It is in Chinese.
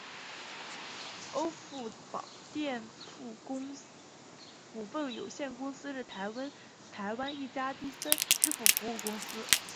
欧付宝电子支付股份有限公司是台湾一家第三方支付服务公司。